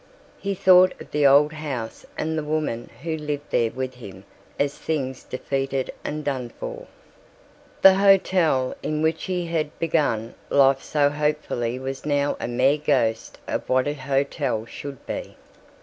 He thought of the old house and the woman who lived there with him as things defeated and done for. The hotel in which he had begun life so hopefully was now a mere ghost of what a hotel should be.